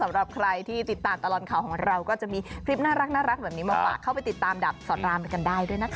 สำหรับใครที่ติดตามตลอดข่าวของเราก็จะมีคลิปน่ารักแบบนี้มาฝากเข้าไปติดตามดับสอนรามกันได้ด้วยนะคะ